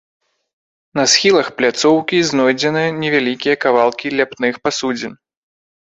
На схілах пляцоўкі знойдзены невялікія кавалкі ляпных пасудзін.